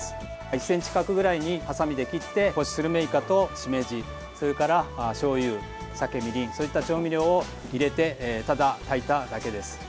１ｃｍ角くらいにはさみで切って干しスルメイカと、しめじしょうゆ、酒、みりんそういった調味料を入れてただ炊いただけです。